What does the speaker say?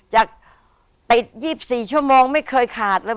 จากติด๒๔ชั่วโมงไม่เคยขาดเลย